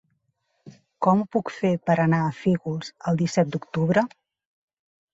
Com ho puc fer per anar a Fígols el disset d'octubre?